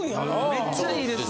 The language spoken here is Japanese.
めっちゃいいです。